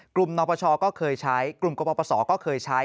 กลุ่มนอกประชาก็เคยใช้กลุ่มกบปสก็เคยใช้